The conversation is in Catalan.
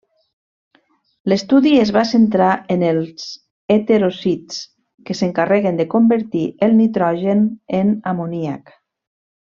L'estudi es va centrar en els heterocists, que s'encarreguen de convertir el nitrogen en amoníac.